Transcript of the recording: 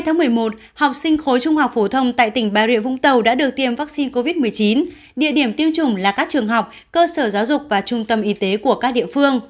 ngày một mươi một học sinh khối trung học phổ thông tại tỉnh bà rịa vũng tàu đã được tiêm vaccine covid một mươi chín địa điểm tiêm chủng là các trường học cơ sở giáo dục và trung tâm y tế của các địa phương